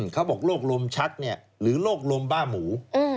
เขาบอกโรคลมชักหรือโรคลมบ้าหมู